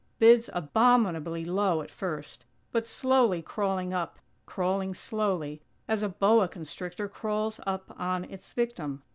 Bids abominably low at first, but slowly crawling up; crawling slowly, as a boa constrictor crawls up on its victim.